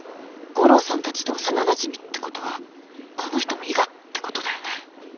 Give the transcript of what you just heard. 悟郎さんたちと幼なじみってことはこの人も伊賀ってことだよね